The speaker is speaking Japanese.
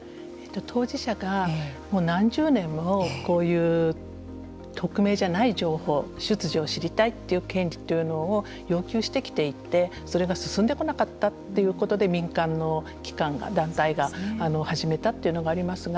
当事者がもう何十年もこういう匿名じゃない情報出自を知りたいという権利というのを要求してきていてそれが進んでこなかったということで民間の機関が団体が始めたというのがありますが。